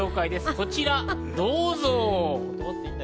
こちらをどうぞ。